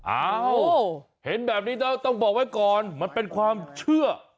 อ้าวเห็นแบบนี้แล้วต้องบอกไว้ก่อนมันเป็นความเชื่อ